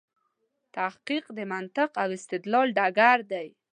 تحقیق د منطق او استدلال ډګر دی.